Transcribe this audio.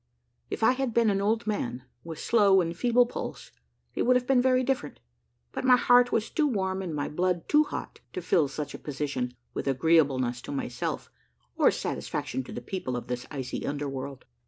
If 1 had been an old man, with slow and feeble pulse, it would have been very different ; but my heart was too warm and my blood too hot to fill such a position with agreeableness to myself or satisfaction to the people of this icy under world.